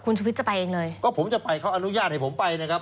คุณชุวิตจะไปเองเลยก็ผมจะไปเขาอนุญาตให้ผมไปนะครับ